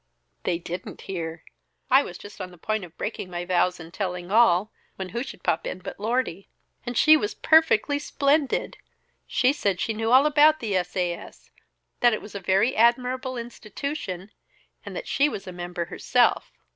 "They didn't hear! I was just on the point of breaking my vows and telling all, when who should pop in but Lordy. And she was perfectly splendid! She said she knew all about the S. A. S. That it was a very admirable institution, and that she was a member herself!